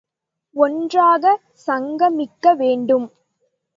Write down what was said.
ஒன்றாக சங்கமிக்க வேண்டும்.